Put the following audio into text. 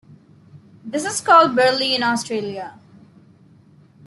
This is called Berley in Australia.